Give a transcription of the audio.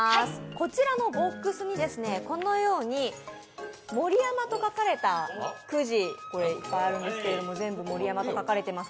こちらのボックスにですね、このように盛山と書かれたくじがいっぱいあるんですけれども全部「盛山」と書かれています。